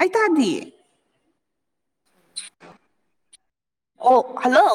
ꯑꯩꯇꯥꯗꯤꯌꯦ ꯑ ꯑꯣ ꯍꯜꯂꯣ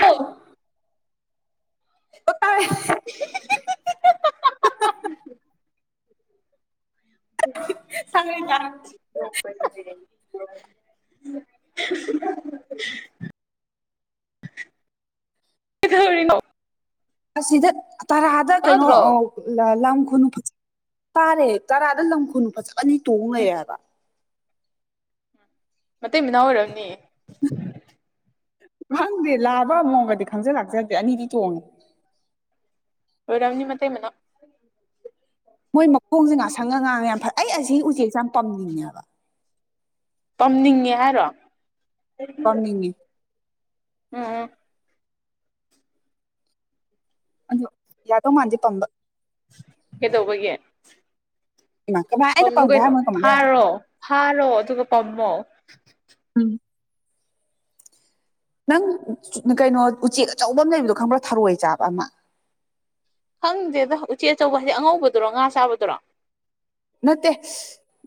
ꯍ ꯦ [unintelligible] ꯆꯒꯦ ꯀ [unintelligible] [unintelligible] [inaudible] ꯀꯩꯗꯧꯔꯤꯅꯣ ꯑꯁꯤꯗ ꯇꯔꯥꯗ ꯀꯩꯅꯣ ꯇꯥꯗ꯭ꯔꯣ ꯈꯨꯨ ꯐ ꯇꯥꯔꯦ ꯇꯔꯥꯗ ꯂꯝꯈꯨꯅꯨ ꯐꯖꯛ ꯑꯅꯤ ꯇꯣꯡꯉꯛꯑꯦꯕ ꯃꯇꯩ ꯃꯅꯥꯎ ꯑꯣꯏꯔꯝꯅꯦ ꯈꯪꯗꯦ ꯂꯥꯕ ꯑꯃꯨꯡꯒꯗꯤ ꯈꯪꯖ ꯂꯥꯛꯆꯗꯦ ꯑꯅꯤꯗꯤ ꯇꯣꯡꯉꯦ ꯑꯣꯔꯝꯅꯤ ꯃ ꯃꯅꯥ ꯃꯣꯏ ꯃꯈꯣꯡꯁꯦ ꯉ ꯁꯪꯉ ꯉꯥꯡꯉ ꯌꯥꯝ ꯐꯩ ꯑꯩ ꯑꯁꯤ ꯎꯆꯦꯛꯁꯦ ꯌꯥꯝ ꯄꯝꯅꯤꯡꯉꯦꯕ ꯇꯝꯅꯤꯡꯉꯦ ꯍꯥꯏꯔꯣ ꯄꯝꯅꯤꯡꯉꯤ ꯎꯝ ꯑꯗꯣ ꯌꯥꯗꯧ ꯃꯥꯟꯗꯤꯦ ꯄꯝꯕ ꯀꯩꯗꯧꯕꯒꯤ ꯏꯃꯥ ꯀꯃꯥꯏ ꯑꯩꯅ ꯄꯥꯝꯃꯨ ꯄꯝꯒꯦ ꯀꯩꯅꯣ ꯍꯥꯏꯔꯝꯃꯒ ꯀꯃꯥꯏꯅ ꯌꯥꯗꯣꯏꯅꯣ ꯐꯥꯔꯣ ꯐꯥꯔꯣ ꯑꯗꯨꯒ ꯄꯥꯝꯃꯣ ꯎꯝ ꯅꯪ ꯀꯩꯅꯣ ꯎꯆꯦꯛ ꯑꯆꯧꯕ ꯑꯃ ꯂꯩꯕꯗꯣ ꯈꯪꯕ꯭ꯔꯥ ꯊꯔꯣꯏ ꯆꯥꯕ ꯑꯃ ꯈꯪꯗꯦꯗ ꯎꯆꯦꯛ ꯑꯆꯧꯕ ꯍꯥꯏꯗꯤꯛ ꯑꯉꯧꯕꯗꯨꯔꯣ ꯉꯥ ꯆꯥꯕꯗꯨꯔꯣ ꯅꯠꯇꯦ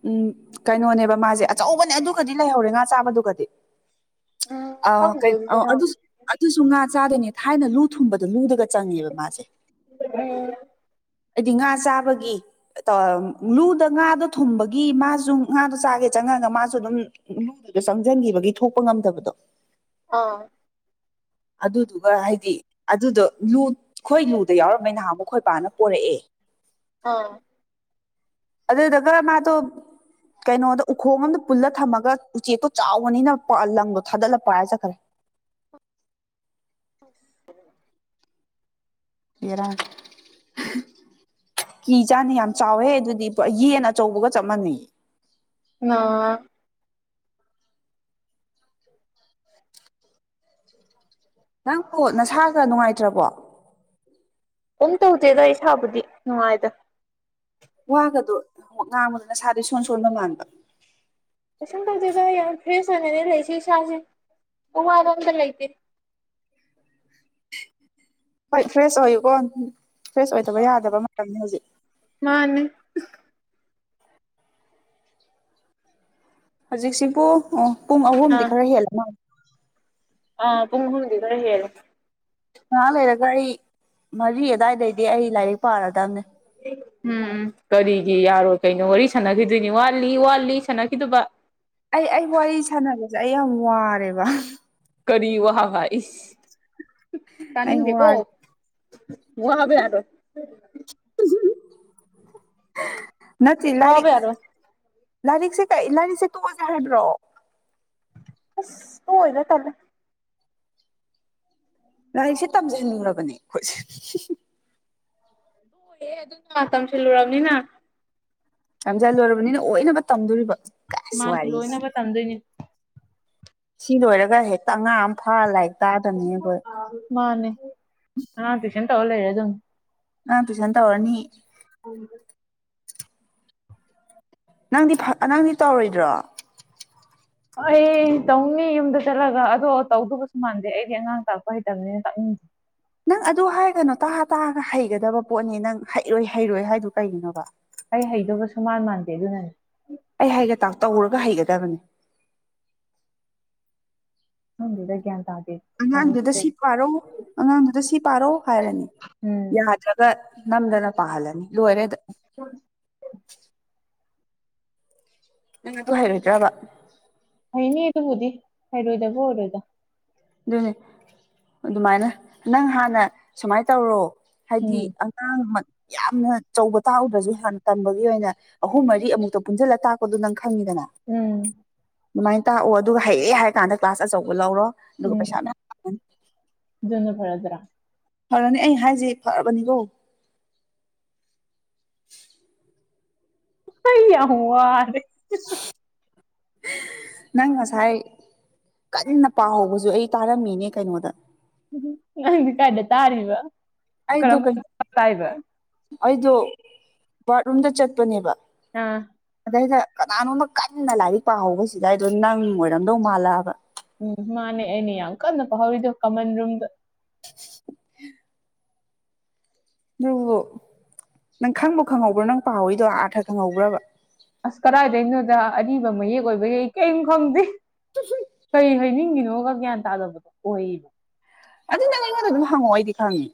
ꯎꯝ ꯀꯩꯅꯣꯅꯦꯕ ꯃꯥꯁꯦ ꯑꯆꯧꯕꯅꯦ ꯑꯗꯨꯒꯗꯤ ꯂꯩꯍꯧꯔꯦ ꯉꯥ ꯆꯥꯕꯗꯨꯒꯗꯤ ꯎꯝ ꯑ ꯈꯪꯗꯦ ꯀꯩꯅꯣ ꯑ ꯑꯗꯨꯗꯤ ꯅꯪ ꯑꯗꯨꯁꯨ ꯑꯗꯨꯁꯨ ꯉꯥ ꯆꯥꯗꯣꯏꯅꯦ ꯊꯥꯏꯅ ꯂꯨ ꯊꯨꯝꯕꯗꯣ ꯂꯨꯗꯒ ꯆꯪꯉꯦꯕ ꯃꯥꯁꯦ ꯎꯝ ꯍꯥꯏꯗꯤ ꯉꯥ ꯆꯥꯕꯒꯤ ꯂꯨꯗ ꯉꯥꯗꯣ ꯊꯨꯝꯕꯒꯤ ꯃꯥꯁꯨ ꯉꯥꯗꯣ ꯆꯥꯒꯦ ꯆꯪꯉꯒ ꯃꯥꯁꯨ ꯑꯗꯨꯝ ꯂꯨꯗꯨꯗ ꯆꯪꯁꯤꯟꯈꯤꯕ ꯒꯤ ꯊꯣꯛꯄ ꯉꯝꯗꯕꯗꯣ ꯑꯥ ꯑꯗꯨꯗꯨꯒ ꯍꯥꯏꯗꯤ ꯑꯗꯨꯗꯣ ꯂꯨ ꯈꯈꯣꯏ ꯂꯨꯗ ꯌꯥꯎꯔꯝꯝꯕ ꯅꯍꯥꯟ ꯃꯈꯈꯣꯏ ꯄꯕꯥꯅ ꯄꯣꯔꯛꯑꯦ ꯑꯥ ꯑꯗꯨꯗ ꯗꯒꯔ ꯃꯥ ꯇꯣ ꯀꯩꯅꯣꯗ ꯎꯈꯣꯡ ꯑꯃꯝꯗ ꯄꯨꯜꯂ ꯊꯝꯃꯒ ꯎꯆꯦꯛꯇꯣ ꯆꯥꯎꯕꯅꯤꯅ ꯂꯪꯗꯣ ꯊꯥꯗꯠꯂ ꯄ ꯍꯥꯏ ꯆꯠꯈ꯭ꯔꯦ [unintelligible] [unintelligible] ꯍꯦꯔꯥ ꯀꯤ ꯆꯥꯅꯤ ꯌꯥꯝ ꯆꯥꯎꯋꯦ ꯑꯗꯨꯗꯤ ꯄꯨꯥ ꯌꯦꯟ ꯑꯆꯧꯕꯒ ꯆꯞ ꯃꯥꯟꯩ ꯑ ꯅꯪꯕꯨꯣ ꯅꯁꯥꯗ ꯅꯨꯡꯉꯥꯏꯇ꯭ꯔꯕꯣ ꯀꯝ ꯇꯧꯗꯦꯗ ꯏꯁꯥꯕꯨꯗꯤ ꯅꯨꯡꯉꯥꯏꯗ ꯋꯥꯒꯗꯣꯣꯡ ꯉꯥꯡꯕꯗꯨꯅ ꯁꯥꯗꯣ ꯁꯣꯟ ꯁꯣꯟꯕ ꯃꯥꯟꯕ ꯀꯩꯁꯨꯝ ꯇꯧꯗꯗ ꯌꯥꯝ ꯐ꯭ꯔꯦꯁ ꯑꯣꯏꯅꯅꯦ ꯂꯩꯁꯦ ꯏꯁꯥꯁꯦ ꯎ ꯋꯥꯗ ꯑꯝꯇ ꯂꯩꯇꯦ ꯍꯣꯏ ꯐ꯭ꯔꯦꯁ ꯑꯣꯏꯌꯨꯀꯣ ꯐ꯭ꯔꯦꯁ ꯑꯣꯏꯗꯕ ꯌꯥꯗꯕ ꯃꯇꯝꯅꯤ ꯍꯧꯖꯤꯛ ꯃꯥꯅꯦ ꯍꯧꯖꯤꯛꯁꯤꯕꯨ ꯑꯣ ꯄꯨꯡ ꯑꯥ ꯑꯍꯨꯝꯗꯤ ꯈꯔ ꯍꯦꯜꯂꯃ ꯑꯥ ꯄꯨꯡꯨꯡꯒꯤꯗꯔ ꯍꯦꯔ ꯉꯍꯥ ꯂꯩꯔꯒ ꯑꯩ ꯃꯔꯤ ꯑꯗꯨꯋꯥꯏꯗꯩꯗꯤ ꯑꯩ ꯂꯥꯏꯔꯤꯛ ꯄꯥꯔꯗꯕꯅꯦ ꯎꯝ ꯀꯔꯤꯒꯤ ꯌꯥꯔꯣꯏ ꯀꯩꯅꯣ ꯋꯥꯔꯤ ꯁꯥꯟꯅꯈꯤꯗꯣꯏꯅꯤ ꯋꯥꯠꯂꯤ ꯋꯥꯠꯂꯤ ꯁꯥꯟꯅꯈꯤꯗꯕ ꯑꯩ ꯑꯩ ꯋꯥꯔꯤ ꯁꯥꯟꯅꯕꯁꯦ ꯑꯩ ꯌꯥꯝ ꯋꯥꯔꯦꯕ ꯀꯔꯤ ꯋꯥꯍꯚ ꯑꯩ ꯇꯥꯅꯤꯡꯗꯦꯀꯣ ꯋꯥꯔꯦ ꯃꯣꯏ ꯍ ꯌꯥꯔ ꯅꯠꯇ꯭ꯦ ꯂꯥꯏꯔꯤꯛ ꯋꯥꯕ ꯌꯥꯔꯣꯏ ꯂꯥꯏꯔꯤꯛꯁꯦ ꯀ ꯂꯥꯏꯔꯤꯛꯁꯦ ꯇꯣꯛꯑꯁꯦ ꯍꯥꯏꯕ꯭ꯔꯣ ꯑꯁ ꯍꯣꯏꯅ ꯀꯂ ꯂꯥꯏꯔꯤꯛꯁꯦ ꯇꯝꯖꯟꯅꯤꯡꯉꯕꯅꯦ ꯑꯩꯈꯣꯏꯁꯦ ꯂꯍꯦ ꯑꯗꯨꯅ ꯇꯝꯁꯤꯜꯂꯨꯔꯕꯅꯤꯅ ꯔꯖꯥ ꯂꯣꯏꯔꯕꯅꯤꯅ ꯑꯣꯏꯅꯕ ꯇꯝꯗꯣꯔꯤꯕ ꯀꯁ ꯃꯥꯒꯤ ꯋꯥꯔꯤꯁꯦ ꯂꯣꯏꯅꯕ ꯇꯝꯗꯣꯏꯅꯤ ꯁꯤ ꯂꯣꯏꯔꯒ ꯍꯦꯛꯇ ꯑꯉꯥ ꯑꯃ ꯐꯥ ꯂꯥꯏ ꯃꯥꯅꯦ ꯑ ꯇꯨꯁꯟ ꯇ ꯂꯩꯔꯦ ꯑꯗꯨ ꯑ ꯇꯨꯏꯁꯟ ꯇꯧꯔꯅꯤ ꯎ ꯅꯪꯗꯤ ꯅꯪꯗꯤ ꯇꯧꯔꯣꯏꯗ꯭ꯔꯣ ꯑꯩ ꯇꯧꯅꯤ ꯌꯨꯝꯗ ꯆꯠꯂꯒ ꯑꯗꯣ ꯇꯧꯗꯒꯁꯨ ꯃꯥꯟꯗꯦ ꯑꯩꯗꯤ ꯑꯉꯥꯡ ꯇꯥꯛꯄ ꯍꯩꯇꯕꯅꯤꯅ ꯇꯥꯛꯅꯤꯡꯁꯦ ꯅꯪ ꯑꯗꯨ ꯍꯥꯏꯒꯅꯣ ꯇꯥ ꯇꯥꯑꯒ ꯍꯩꯒꯗꯕ ꯄꯣꯠꯅꯤ ꯅꯪ ꯍꯩꯔꯣꯏ ꯍꯩꯔꯣꯏ ꯍꯥꯏꯗꯨ ꯀꯩꯒꯤꯅꯣꯕ ꯑꯩ ꯍꯩꯗꯧꯕꯁꯨ ꯃꯥꯟ ꯃꯥꯟꯗꯦ ꯑꯗꯨꯅꯅꯦ ꯑꯩ ꯍꯩꯒꯦ ꯇꯥ ꯇꯧꯔꯒ ꯍꯩꯒꯗꯕꯅꯤ ꯈꯪꯗꯦꯗꯥ ꯒꯌ꯭ꯥꯟ ꯇꯥꯗꯦ ꯑꯉꯥꯡꯗꯨꯗ ꯁꯤ ꯎꯝ ꯄꯥꯔꯣ ꯑꯉꯥꯡꯗꯨꯗ ꯁꯤ ꯄꯥꯔꯣ ꯍꯥꯏꯔꯅꯤ ꯌꯥꯗ꯭ꯔꯒ ꯅꯝꯗꯅ ꯄꯥꯂꯅꯤ ꯂꯣꯏꯔꯦ ꯑꯗꯥ ꯌꯦ ꯇ ꯍꯥꯏꯥꯏꯔꯗ ꯅꯤ ꯑꯗꯨꯕꯨꯗꯤ ꯍꯥꯏꯔꯣꯏꯗꯕꯨꯣ ꯑꯣꯏꯔꯣꯏꯗ ꯑꯗꯨꯅꯦ ꯑꯗꯨꯃꯥꯏꯅ ꯅꯪ ꯍꯥꯟꯅ ꯁꯨꯃꯥꯏꯅ ꯇꯧꯔꯣ ꯍꯥꯏꯗꯤ ꯎꯝ ꯑꯉꯥꯡ ꯌꯥꯝꯅ ꯑꯆꯧꯕ ꯇꯥꯛꯎꯗ꯭ꯔꯁꯨ ꯍꯥꯟꯅ ꯇꯝꯕꯒꯤ ꯑꯣꯏꯅ ꯑꯍꯨꯝ ꯃꯔꯤ ꯑꯃꯨꯛꯇ ꯄꯨꯟꯁꯤꯜꯂ ꯇꯥꯛꯄꯗꯣ ꯅꯪ ꯐꯪꯉꯤꯗꯅ ꯎꯝ ꯑꯗꯨꯃꯥꯏꯅ ꯇꯥꯛꯑꯣ ꯑꯗꯨꯒ ꯍꯌꯦꯑꯡ ꯍꯥꯏꯔ ꯀꯥꯟꯗ ꯀ꯭ꯂꯥꯁ ꯑꯆꯧꯕ ꯂꯧꯔꯣ ꯑꯗꯨꯒ ꯄꯩꯁꯥꯅ ꯑꯗꯨꯅ ꯐꯔꯗ꯭ꯔꯥ ꯐꯔꯅꯤ ꯑꯩ ꯍꯥꯏꯁ ꯐꯔꯕꯅꯤꯀꯣ [unintelligible] ꯀ ꯌꯥꯍꯨ ꯋꯥꯔ [unintelligible] ꯅꯪ ꯉꯁꯥꯏ ꯀꯟꯅ ꯄꯥꯍꯧꯕꯁꯨ ꯑꯩ ꯇꯥꯔꯝꯃꯤꯅꯦ ꯀꯩꯅꯣꯗ ꯅꯪꯗꯤ ꯀꯥꯏꯗ ꯇꯥꯔꯤꯕ ꯑꯩꯗꯣ ꯀꯔꯝꯕ ꯑꯩꯗꯣ ꯕꯥꯠꯔꯨꯝꯗ ꯆꯠꯄꯅꯦꯕ ꯑꯥ ꯁꯤꯗꯩꯗ ꯀꯅꯥꯅꯣꯝꯃ ꯀꯟꯅ ꯂꯥꯏꯔꯤꯛ ꯄꯥꯍꯧꯕꯁꯤꯗ ꯑꯩꯗꯣ ꯅꯪ ꯑꯣꯏꯔꯝꯗꯧ ꯃꯥꯜꯂꯛꯑꯕ ꯎꯝ ꯃꯥꯅꯦꯅꯤ ꯑ ꯀꯜ ꯅ ꯍꯧꯥꯎꯗ ꯀꯃꯟ ꯔꯝꯗ ꯑꯗꯨꯕꯨ ꯅꯪ ꯈꯪꯕ ꯈꯪꯍꯧꯕ꯭ꯔꯣ ꯅꯪ ꯄꯥꯏꯗꯣ ꯑꯥꯔꯊ ꯈꯪꯍꯧꯕ꯭ꯔꯕ ꯀꯩꯅꯣꯗ ꯑꯔꯤꯕ ꯃꯌꯦꯛ ꯑꯣꯏꯕ ꯌꯥꯏ ꯀꯔꯤꯝ ꯈꯪꯗꯦ ꯀꯔꯤ ꯍꯥꯏꯅꯤꯡꯉꯤꯅꯣꯒ ꯒ꯭ꯌꯥꯟ ꯇꯥꯗꯕꯗꯣ ꯑꯣꯏꯕ ꯑꯗꯨ ꯅꯪ ꯑꯩꯉꯣꯟꯗ ꯑꯗꯨꯝ ꯍꯪꯉꯛꯑꯣ ꯑꯩꯗꯤ ꯈꯪꯉꯦ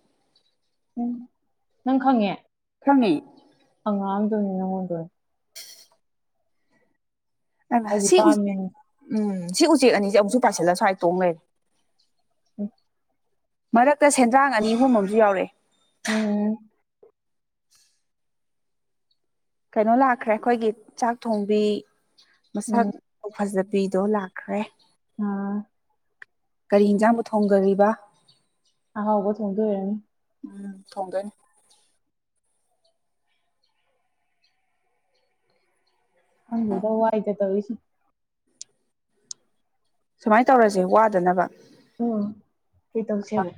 ꯎꯝ ꯅꯪ ꯈꯪꯉꯦ ꯈꯉꯦ ꯉꯗꯅꯤꯅꯉꯣꯦ ꯍꯥꯏꯗꯤ ꯁꯤ ꯎꯆ ꯄꯥꯝꯃꯤꯅꯤ ꯎꯝ ꯁꯤ ꯎꯆꯦꯛ ꯑꯅꯤꯁꯦ ꯑꯃꯨꯛꯁꯨ ꯄꯥꯏꯁꯤꯜꯂ ꯁ꯭ꯋꯥꯏ ꯇꯣꯡꯉꯔꯦ ꯃꯔꯛꯇ ꯁꯦꯟꯗ꯭ꯔꯥꯡ ꯑꯅꯤ ꯑꯍꯨꯝ ꯑꯃꯁꯝꯨ ꯌꯥꯎꯔꯛꯑꯦ ꯎꯝ ꯀꯩꯅꯣ ꯂꯥꯛꯈ꯭ꯔꯦ ꯑꯩꯈꯣꯏꯒꯤ ꯆꯥꯛ ꯊꯣꯡꯕꯤ ꯃꯁꯛ ꯐꯖꯕ ꯐꯤꯗꯣ ꯂꯥꯛꯈ꯭ꯔꯦ ꯑꯥ ꯀꯔꯤ ꯌꯦꯟꯁꯥꯡꯕꯨ ꯊꯣꯡꯗꯔꯤꯕ ꯑꯣꯕ ꯊꯣꯡꯒꯅꯤ ꯎꯝ ꯊꯣꯡꯗꯣꯏꯅꯤ ꯍꯪꯗ ꯍꯥꯏꯥꯏꯇꯦ ꯇꯧꯣ ꯏꯁ ꯁꯨꯃꯥꯏꯅ ꯇꯧꯔꯁꯦ ꯋꯥꯗꯅꯕ ꯎꯝ ꯀ ꯇꯧꯁꯕ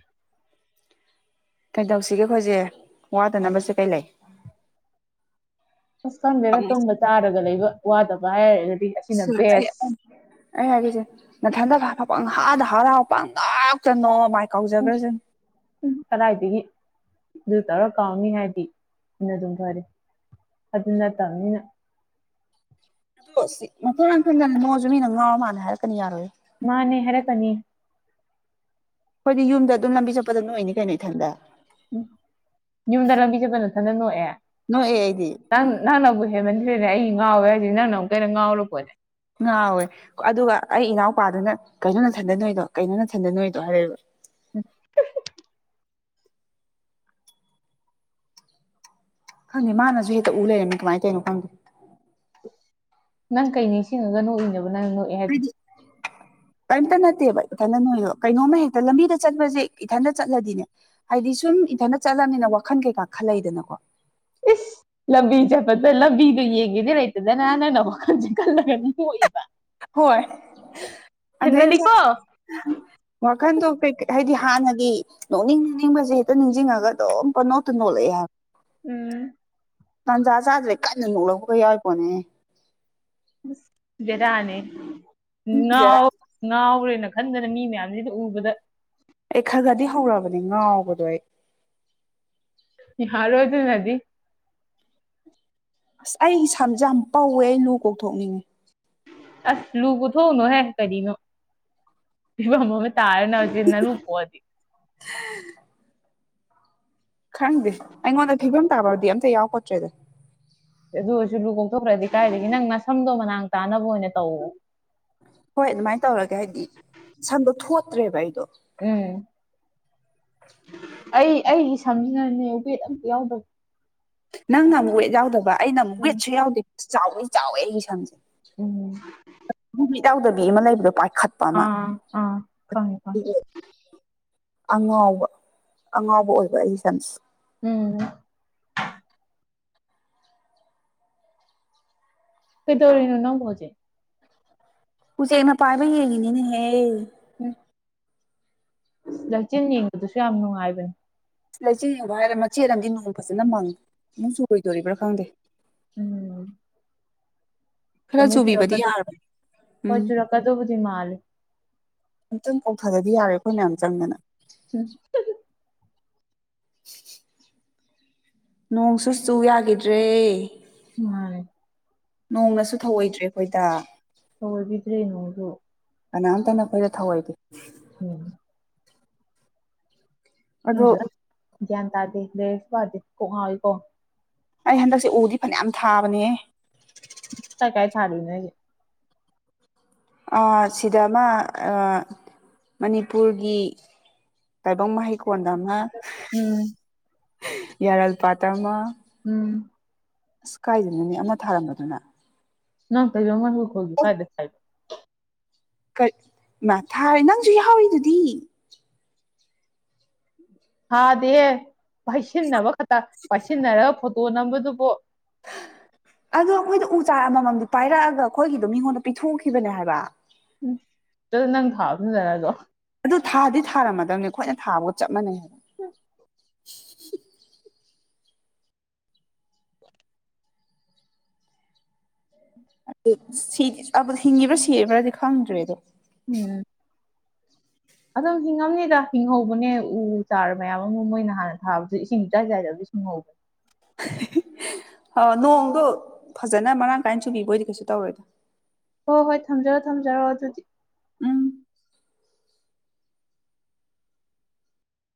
ꯀꯩꯗꯧꯁꯤꯒꯦ ꯑꯩꯈꯣꯏꯁꯦ ꯋꯥꯗꯅꯕꯁꯦ ꯀꯩ ꯂꯩ ꯑꯁ ꯈꯪꯗꯦꯅ ꯇꯨꯝꯕ ꯇꯥꯔꯒ ꯂꯩꯕ ꯋꯥꯗꯕ ꯍꯥꯏꯔ ꯂꯦꯦ ꯅ ꯊꯟꯗ ꯄ ꯍꯥꯗ ꯍꯥꯔ ꯍꯄ ꯉꯥꯛꯇꯅꯣ ꯃ ꯎꯝ ꯎꯝ ꯆꯅꯥ ꯍꯥꯏꯇꯒꯦ ꯑꯗꯨ ꯇꯧꯔ ꯀꯥꯎꯅꯤ ꯍꯥꯏꯗꯤꯅ ꯑꯗꯨꯝ ꯐꯔꯦ ꯑꯗꯨ ꯅꯠꯇꯕꯅꯤꯅ ꯑꯗꯣ ꯁꯤ ꯃꯈꯜ ꯂꯥꯡꯊꯟꯗꯅ ꯃꯣꯁꯨ ꯃꯤꯅ ꯉꯥꯎꯔ ꯃꯥꯜꯅ ꯍꯥꯏꯔꯛꯀꯅꯤ ꯌꯥꯔꯣꯏ ꯃꯥꯅꯦꯦ ꯍꯥꯏꯔ ꯀꯅꯤ ꯑꯩꯈꯣꯏꯗꯤ ꯌꯨꯝꯗ ꯑꯗꯨꯝ ꯂꯝꯕꯤ ꯆꯠꯄꯗꯝ ꯑꯣꯏꯅꯤ ꯀꯩꯅꯣ ꯏꯊꯟꯗ ꯌꯨꯝꯗ ꯂꯝꯕꯤꯖꯕ ꯅꯊꯟꯅ ꯅꯣꯛꯑ ꯅꯣꯛꯑꯦ ꯑꯩꯗꯤ ꯅꯪ ꯅꯪꯅꯕꯨ ꯍꯦ ꯃꯟꯔꯦ ꯑꯩ ꯉꯥꯎꯋꯦ ꯍꯥꯏꯗꯤ ꯅꯪꯅ ꯑꯃꯨꯛꯩꯅ ꯉꯥꯎꯕꯄꯣꯔꯦ ꯉꯥꯎꯋꯦ ꯑꯗꯨꯒ ꯑꯩ ꯏꯅꯥꯎꯄꯥꯗꯨꯅ ꯀꯩꯅꯣꯅ ꯊꯟꯗ ꯅꯣꯏꯗꯣ ꯀꯩꯅꯣꯅ ꯊꯟꯗ ꯅꯣꯏꯗꯣ ꯍꯥꯏꯔꯦꯕ ꯎꯝ ꯈꯪꯉꯦ ꯃꯥꯅꯁꯨ ꯍꯦꯛꯇ ꯎ ꯂꯩꯔꯦꯃꯤ ꯀꯃꯥꯏꯅ ꯇꯩꯅꯣ ꯈꯪꯗꯦ ꯅꯪ ꯀꯩ ꯅꯤꯡꯁꯤꯡꯉꯒ ꯅꯣꯛꯏꯅꯦꯕ ꯅꯪ ꯅꯣꯛꯑꯦ ꯍꯥꯏꯗꯤ ꯍꯥꯏꯗꯅꯣ [unintelligible] [inaudible] ꯀꯔꯤꯝꯇ ꯅꯠꯇꯦꯕ ꯏꯊꯟꯗ ꯅꯣꯏꯗꯣ ꯀꯩꯅꯣꯝꯃ ꯍꯦꯛꯇ ꯂꯝꯕꯤꯗ ꯆꯠꯄꯁꯦ ꯏꯊꯟꯇ ꯆꯠꯂꯗꯤꯅꯦ ꯍꯥꯏꯗꯤ ꯁꯨꯝ ꯨꯝ ꯏꯟꯊꯅ ꯆꯠꯂꯅꯤꯅ ꯋꯥꯈꯜ ꯀꯩꯀꯥ ꯈꯜꯂꯛꯏꯗꯅꯀꯣ ꯂꯝꯕꯤꯁꯦ ꯐꯠꯇ ꯂꯝꯕꯤꯗꯣ ꯌꯦꯡꯒꯦꯗꯤ ꯂꯩꯇꯗꯅꯅ ꯅꯖꯤ ꯈꯜꯂꯒꯝ ꯀꯣꯛꯏꯕ ꯍꯣꯏ ꯑꯗꯩꯗꯨꯗ ꯍꯦꯟꯃꯜꯂꯤꯀꯣ ꯋꯥꯈꯟꯗꯣ ꯀꯩꯀꯩ ꯍꯥꯏꯗꯤ ꯍꯥꯟꯅꯗꯤ ꯅꯣꯛꯅꯤꯡ ꯅꯅꯤꯡꯕꯁꯦ ꯍꯦꯛꯇ ꯅꯤꯡꯁꯤꯡꯉꯒ ꯑꯗꯨꯣꯣ ꯅꯣ ꯂꯩ ꯌꯥ ꯉꯟꯖꯥ ꯆꯥꯗ꯭ꯔꯦ ꯀꯟꯅ ꯅꯣꯛꯂꯒ ꯌꯥꯎꯏꯕꯣꯅꯦ ꯔꯅꯤ ꯑꯩ ꯅ ꯈꯔ ꯑꯅ ꯈꯟꯗꯅ ꯃꯤ ꯃꯌꯥꯝꯁꯤꯗ ꯎꯕꯗ ꯑꯩ ꯈꯔ ꯈꯗꯤ ꯍꯧꯔꯕꯅꯦ ꯉꯥꯎꯕꯗꯣ ꯑꯩ ꯍ ꯔꯣꯏꯖ ꯅꯗꯤ ꯑꯁ ꯑꯩ ꯏꯁ ꯏꯁꯝꯁ ꯌꯥꯝ ꯄꯧꯋꯦ ꯑꯩ ꯂꯨ ꯀꯣꯛꯊꯣꯛꯅꯤꯡꯉꯤ ꯑꯁ ꯂꯨ ꯄꯨꯊꯣꯛꯎꯅꯣꯍꯦ ꯀꯔꯤꯅꯣ ꯃꯃ ꯇꯥꯔꯅ ꯍꯧꯖꯤ ꯅ ꯂꯨꯄꯣꯗꯤ ꯈꯪꯗꯦ ꯑꯩꯉꯣꯟꯗ ꯐꯤꯕꯝ ꯇꯥꯕꯕꯨꯗꯤ ꯑꯝꯇ ꯌꯥꯎ ꯈꯣꯠꯇ꯭ꯔꯦꯗ ꯑꯗꯨ ꯑꯣꯏꯔꯁꯨ ꯂꯨ ꯀꯣꯛꯊꯣꯛꯈ꯭ꯔꯗꯤ ꯀꯥꯏꯗꯒꯤꯦ ꯅꯪ ꯅꯁꯝꯗꯣ ꯃꯅꯥꯛ ꯇꯥꯅꯕ ꯑꯣꯏꯅ ꯇꯧ ꯍꯣꯏ ꯑꯗꯨꯃꯥꯏꯅ ꯇꯧꯔꯒꯦ ꯍꯥꯏꯗꯤ ꯁꯟꯗꯣ ꯊꯣꯠꯇ꯭ꯔꯦꯕ ꯑꯩꯗꯣ ꯎꯝ ꯑꯩ ꯑꯩꯒꯤ ꯁꯝꯖꯤꯅꯅꯦ ꯋꯦꯠ ꯑꯝꯇ ꯌꯥꯎꯗꯕ ꯅꯪꯅ ꯑꯃꯨꯛ ꯋꯦꯠ ꯌꯥꯎꯗꯕ ꯑꯩꯅ ꯑꯃꯨꯛ ꯎꯝ ꯋꯦꯠꯁꯨ ꯌꯥꯎꯗꯦ ꯆꯥꯎꯋ ꯆꯥꯎꯋꯦ ꯑꯩꯒꯤ ꯁꯝꯁꯦ ꯎꯝ ꯋꯦꯠ ꯌꯥꯎꯗꯕꯤ ꯑꯃ ꯂꯩꯕꯗꯣ ꯄꯥꯏꯈꯠꯄ ꯑꯃ ꯑꯥ ꯑꯥ ꯈꯦ ꯀꯦ ꯑꯉꯥꯎꯕ ꯑꯉꯥꯎꯕ ꯑꯣꯏꯕ ꯑꯩ ꯏꯁꯝꯁ ꯎꯝ ꯀꯩꯗꯧꯔꯤꯅ ꯅ ꯍꯧꯖꯦ ꯎꯆꯅ ꯄꯥꯏꯕ ꯌꯦꯒꯅꯤꯅꯦ ꯍꯦ ꯂꯛꯆꯦꯜ ꯌꯦꯡꯕꯗꯨꯁꯨ ꯌꯥꯝ ꯅꯨꯡꯉꯥꯏꯕꯅꯦ ꯂꯩꯆꯦꯉꯕ ꯍꯥꯏꯔꯦ ꯃꯆꯦꯠ ꯑꯃꯗꯤ ꯅꯣꯡ ꯐꯖꯅ ꯃꯪꯉ ꯑꯃꯨꯛ ꯆꯨꯔꯣꯏꯗꯣꯔꯤꯕ꯭ꯔꯥ ꯈꯪꯗꯦ ꯈꯔ ꯨ ꯆꯨꯕꯤꯕꯗꯤ ꯆꯨꯔꯀꯗ ꯌꯥꯔꯕꯅꯦ ꯍꯣꯏ ꯎꯝ ꯆꯨꯔꯀꯗꯕꯨꯤ ꯃꯥꯜ ꯑꯝꯇꯪ ꯀꯣꯛꯊꯗꯗꯤ ꯌꯥꯔꯦ ꯑꯩꯈꯣꯏ ꯃꯌꯥꯝ ꯆꯪꯗꯅ ꯎꯝ [unintelligible] ꯅꯣꯡ ꯆꯨ ꯆꯨ ꯌꯥꯈꯤꯗ꯭ꯔꯦ ꯃꯥ ꯅꯣꯡꯅꯁꯨ ꯊꯧꯑꯣꯏꯗ꯭ꯔꯦ ꯑꯩꯈꯣꯏꯗ ꯊꯑꯣꯏꯕꯤꯗ꯭ꯔꯔꯤ ꯅꯉꯁꯨ ꯀꯅꯥꯝꯇꯅ ꯑꯩꯈꯣꯏꯗ ꯊꯧꯑꯣꯏꯗꯦ ꯎꯝ ꯑꯗꯣ ꯒꯟ ꯇꯔꯗꯦ ꯦꯁꯥꯔꯗ ꯀꯣꯉ ꯑꯣꯏꯀꯣ ꯑꯩ ꯍꯟꯗꯛꯁꯦ ꯎꯗꯤ ꯐꯅꯌꯥꯝ ꯊꯥꯕꯅꯦ ꯀꯥꯏ ꯊꯥꯔꯅꯦ ꯁꯤꯗ ꯑꯃ ꯃꯅꯤꯄꯨꯔꯒꯤ ꯇꯥꯏꯕꯪ ꯃꯍꯩꯀꯣꯟꯗ ꯑꯃ ꯎꯝ ꯌꯥꯔꯜꯄꯥꯥꯠꯇ ꯑꯃ ꯎꯝ ꯑꯁ ꯀꯥꯏꯗꯅꯅꯦ ꯑꯃ ꯊꯥꯔꯝꯕꯗꯨꯅ ꯅꯪ ꯇ ꯏꯕ ꯃꯅꯤꯡꯒ ꯍꯣꯤ ꯀꯥꯏꯗꯦ ꯈꯥꯏꯂ ꯃ ꯊꯥ ꯅꯪꯁꯨ ꯌꯥꯍꯥꯎꯋꯤꯗꯨꯗꯤ ꯊꯥꯗꯦ ꯄꯥꯏꯁꯤꯟꯅꯕ ꯈꯛꯇ ꯄꯥꯏꯁꯤꯟꯅꯔꯒ ꯐꯣꯇꯣ ꯅꯝꯕꯗꯨꯕꯨ ꯎ ꯑꯗꯣ ꯑꯩꯈꯣꯏꯗ ꯎ ꯆꯥꯛ ꯑꯃꯃꯝꯗꯤ ꯄꯥꯏꯔꯛꯑꯒ ꯑꯩꯈꯣꯏꯒꯤꯗꯣ ꯃꯤꯉꯣꯟꯗ ꯄꯤꯊꯣꯛꯈꯤꯕꯅꯦ ꯍꯥꯏꯕ ꯎ ꯆ ꯅꯪ ꯊꯥꯕꯟꯅꯔꯒꯣ ꯑꯗꯨ ꯊꯥꯗꯤ ꯊꯥꯔꯝꯃꯗꯕꯅꯤꯈꯣꯏꯅ ꯊꯥꯕꯒ ꯆꯞ ꯃꯥꯟꯩ ꯍꯥꯏ ꯎꯝ [unintelligible] ꯑꯗꯨ ꯍꯤꯡꯉꯤꯕ꯭ꯔꯥ ꯁꯤꯕ꯭ꯔꯥꯗꯤ ꯈꯪꯗ꯭ꯔꯦꯗꯣ ꯎꯝ ꯑꯗꯨꯝ ꯍꯤꯡꯉꯝꯅꯤꯗ ꯍꯤꯡꯍꯧꯕꯅꯦ ꯎ ꯆꯥꯔ ꯃꯌꯥꯝ ꯑꯃ ꯃꯣꯏꯅ ꯍꯥꯟꯅ ꯊꯥꯕꯁꯨ ꯏꯁꯤꯡ ꯆꯥꯏ ꯆꯥꯏꯗꯕ ꯑꯣ ꯎ ꯅꯣꯡꯗꯣ ꯐꯖꯅ ꯃꯔꯥꯡ ꯀꯥꯏꯅ ꯁꯨꯕꯤꯕꯣꯏꯗꯤ ꯀꯩꯁꯨ ꯇꯧꯔꯣꯏꯗ ꯍꯣꯏ ꯍꯣꯏ ꯊꯝꯖꯔꯣ ꯊꯝꯖꯔꯣ ꯑꯗꯨꯗꯤ ꯎꯝ